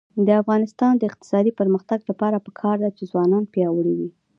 د افغانستان د اقتصادي پرمختګ لپاره پکار ده چې ځوانان پیاوړي وي.